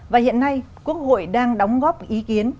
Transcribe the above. và hiện nay quốc hội đang đóng góp ý kiến